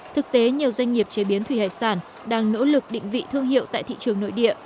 thực tế nhiều doanh nghiệp chế biến thủy hải sản đang nỗ lực định vị thương hiệu tại thị trường nội địa